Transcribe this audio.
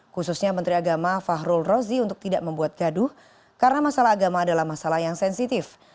khususnya menteri agama fahrul rozi untuk tidak membuat gaduh karena masalah agama adalah masalah yang sensitif